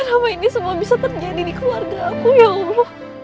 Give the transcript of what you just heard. ramai ini semua bisa terjadi keluarga aku ya allah